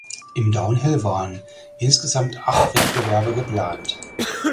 Im Downhill waren insgesamt acht Wettbewerbe geplant.